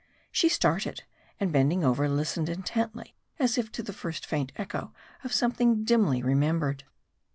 She started, and bend ing over, listened intently, as if to the first faint echo of something dimly remembered.